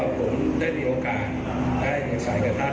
เพราะผมได้มีโอกาสได้หนักสลายกับท่าน